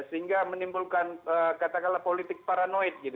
sehingga menimbulkan katakanlah politik paranoid gitu